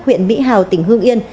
huyện mỹ hào tỉnh hương yên